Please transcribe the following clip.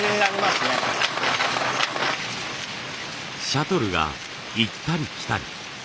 シャトルが行ったり来たり。